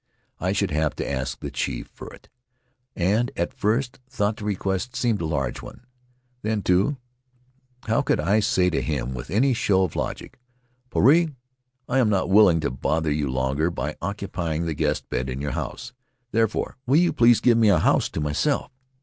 I should have to ask the chief for it, and at first thought the request seemed a large one. Then, too, how could I say to him with any show of logic: "Puarei, I am not willing to bother you longer by occupying the guest bed in your house. Therefore, will you please give me a house to myself?